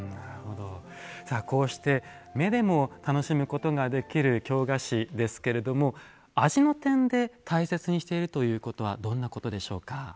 こうして目でも楽しむことができる京菓子ですけれども味の点で大切にしているということはどんなことでしょうか？